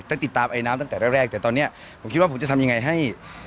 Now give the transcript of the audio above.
ติดตามไอน้ำตั้งแต่แรกแต่ตอนนี้ผมคิดว่าผมจะทำยังไงให้